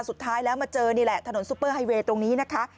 สุดท้ายแล้วมาเจอนี่แหละถนนซุปเปอร์ไฮเวย์ตรงนี้นะคะ